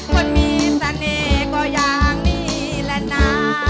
คนมีเสน่ห์ก็อย่างนี้แหละนะ